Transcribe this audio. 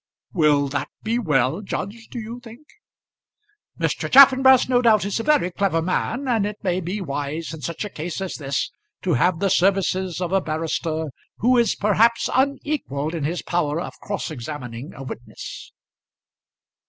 "Will that be well, judge, do you think?" "Mr. Chaffanbrass no doubt is a very clever man, and it may be wise in such a case as this to have the services of a barrister who is perhaps unequalled in his power of cross examining a witness."